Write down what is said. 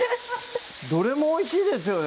どれもおいしいですよね